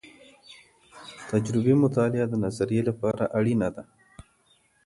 تجربي مطالعه د نظريې لپاره اړينه ده.